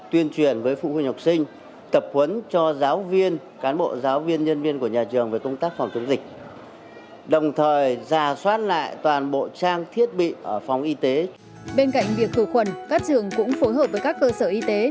trên việc khử khuẩn các trường cũng phối hợp với các cơ sở y tế